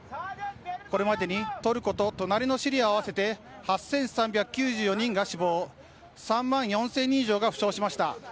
これまでにトルコと隣のシリアを合わせて８３９４人が死亡３万４０００人以上が負傷しました。